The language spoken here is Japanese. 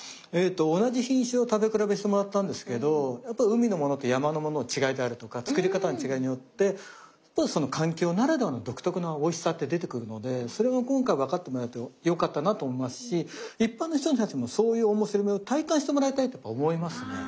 同じ品種を食べ比べしてもらったんですけどやっぱり海のものと山のものの違いであるとか作り方の違いによってその環境ならではの独特なおいしさって出てくるのでそれも今回わかってもらえてよかったなと思いますし一般の人たちもそういう面白みを体感してもらいたいと思いますね。